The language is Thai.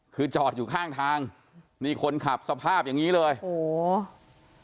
คือจอดอยู่ข้างทางนี่คนขับสภาพอย่างงี้เลยโอ้โห